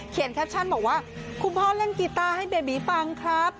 แคปชั่นบอกว่าคุณพ่อเล่นกีต้าให้เบบีฟังครับ